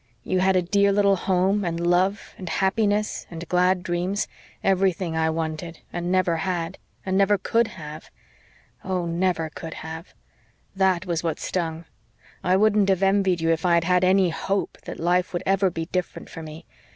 You had a dear little home and love and happiness and glad dreams everything I wanted and never had and never could have. Oh, never could have! THAT was what stung. I wouldn't have envied you, if I had had any HOPE that life would ever be different for me.